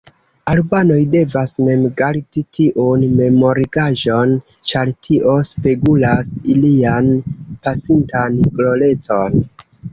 Albanoj devas mem gardi tiun memorigaĵon, ĉar tio spegulas ilian pasintan glorecon.